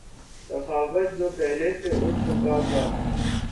سخاوت جو پہلے سے اٹھ چکا تھا